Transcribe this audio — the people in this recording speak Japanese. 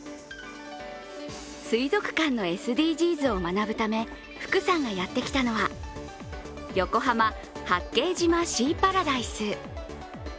水族館のＳＤＧｓを学ぶため福さんがやってきたのは横浜・八景島シーパラダイス。